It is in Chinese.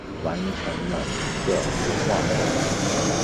完成了这幅画作